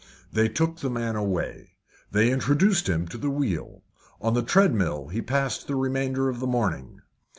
They took the man away. They introduced him to the wheel. On the treadmill he passed the remainder of the morning.